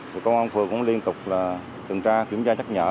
thì công an phường cũng liên tục là tường tra kiểm tra chất nhở